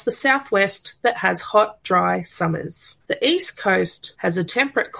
di seluruh east coast kita memiliki kondisi temperat